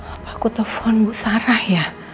apa aku telpon bu sarah ya